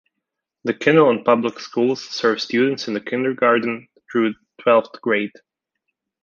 The Kinnelon Public Schools serves students in kindergarten through twelfth grade.